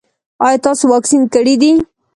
ایا تاسو واکسین کړی دی؟